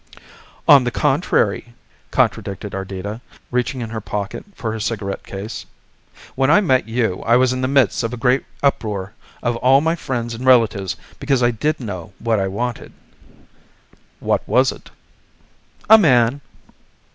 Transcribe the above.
"On the contrary," contradicted Ardita, reaching in her pocket for her cigarette case, "when I met you I was in the midst of a great uproar of all my friends and relatives because I did know what I wanted." "What was it?" "A man."